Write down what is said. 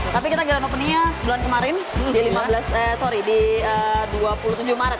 tapi kita jalan openingnya bulan kemarin di dua puluh tujuh maret